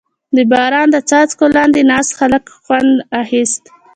• د باران د څاڅکو لاندې ناست هلک خوند اخیست.